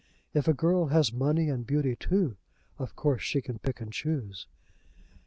If a girl has money and beauty too, of course she can pick and choose.